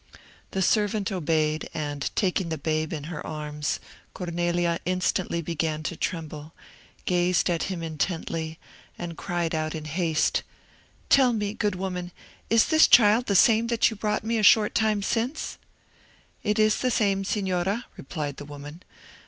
The servant obeyed; and, taking the babe in her arms, Cornelia instantly began to tremble, gazed at him intently, and cried out in haste, "Tell me, good woman, is this child the same that you brought me a short time since?" "It is the same, Signora," replied the woman.